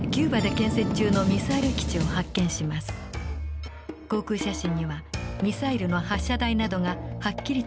航空写真にはミサイルの発射台などがはっきりと写っていました。